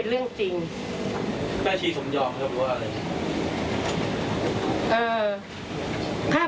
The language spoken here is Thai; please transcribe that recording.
แม่ชีค่ะ